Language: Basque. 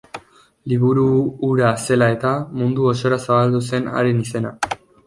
Liburu hura zela-eta, mundu osora zabaldu zen haren izena.